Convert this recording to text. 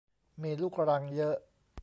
มีลูกรังเยอะ